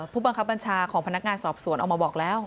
ผู้บังคับบัญชาของพนักงานสอบสวนเอามาบอกแล้ว